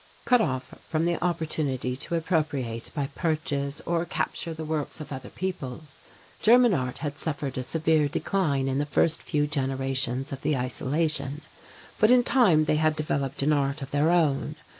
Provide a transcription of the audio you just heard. Cut off from the opportunity to appropriate by purchase or capture the works of other peoples, German art had suffered a severe decline in the first few generations of the isolation, but in time they had developed an art of their own.